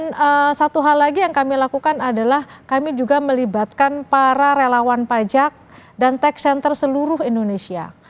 dan satu hal lagi yang kami lakukan adalah kami juga melibatkan para relawan pajak dan tech center seluruh indonesia